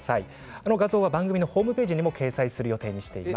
この画像は番組のホームページにも掲載する予定にしています。